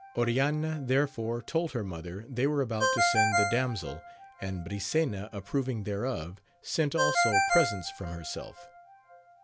Oriana therefore told her mother they were about to send the damsel, and Brisena approving thereof, sent also presents from herself.